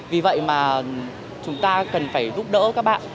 vì vậy mà chúng ta cần phải giúp đỡ các bạn